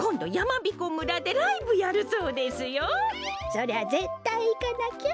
そりゃぜったいいかなきゃ。